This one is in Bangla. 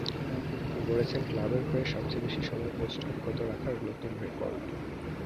গড়েছেন ক্লাবের হয়ে সবচেয়ে বেশি সময় পোস্ট অক্ষত রাখার নতুন রেকর্ড।